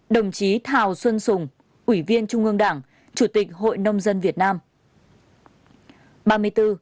ba mươi ba đồng chí thảo xuân sùng ủy viên trung ương đảng chủ tịch hội nông dân việt nam